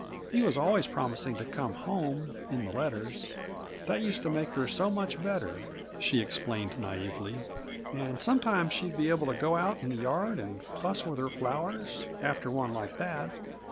He was always promising to come home in the letters. That used to make her so much better," she explained naïvely. "And sometimes she'd be able to go out in the yard and fuss with her flowers, after one like that.